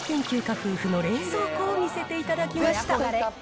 夫婦の冷蔵庫を見せていただきました。